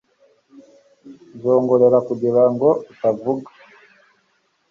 nzongorera kugirango utazumva